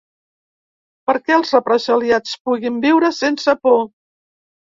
Perquè els represaliats puguin viure sense por.